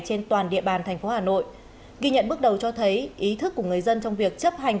trên toàn địa bàn tp hcm ghi nhận bước đầu cho thấy ý thức của người dân trong việc chấp hành